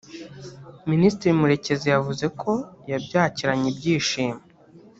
Minisitiri Murekezi yavuze ko yabyakiranye ibyishimo